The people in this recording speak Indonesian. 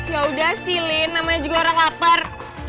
yaudah sih lin namanya juga orang lapar